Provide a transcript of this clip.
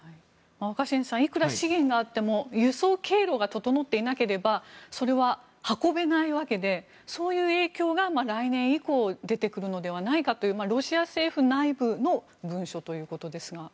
若新さんいくら資源があっても輸送経路が整っていなければそれは運べないわけでそういう影響が来年以降出てくるのではないかというロシア政府内部の文書ということですが。